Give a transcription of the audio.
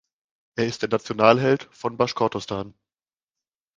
Er ist der Nationalheld von Baschkortostan.